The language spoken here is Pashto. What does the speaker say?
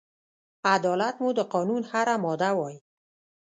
عدالت مو د قانون هره ماده وای